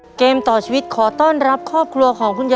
พอการที่เท่าไรก็เรียนขึ้น